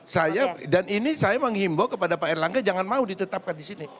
saya dan ini saya menghimbau kepada pak erlangga jangan mau ditetapkan di sini